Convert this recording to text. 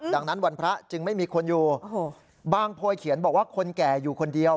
ดังนั้นวันพระจึงไม่มีคนอยู่บางโพยเขียนบอกว่าคนแก่อยู่คนเดียว